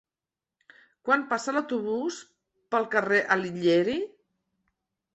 Quan passa l'autobús pel carrer Alighieri?